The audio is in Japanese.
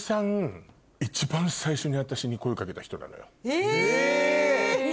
え！